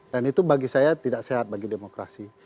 dan itu bagi saya tidak sehat bagi demokrasi